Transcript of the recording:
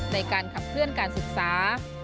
ในการขับเคลื่อนการศึกษา